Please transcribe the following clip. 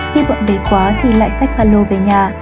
khi buộn bề quá thì lại xách valo về nhà